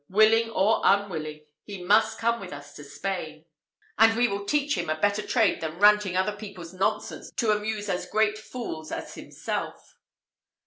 willing or unwilling, he must come with us to Spain, and we will teach him a better trade than ranting other people's nonsense to amuse as great fools as himself."